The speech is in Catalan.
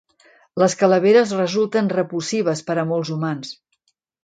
Les calaveres resulten repulsives per a molts humans.